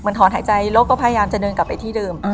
ถอนหายใจแล้วก็พยายามจะเดินกลับไปที่เดิม